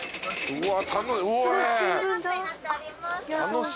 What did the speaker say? うわ。